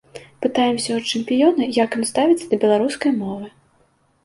Пытаемся ў чэмпіёна, як ён ставіцца да беларускай мовы.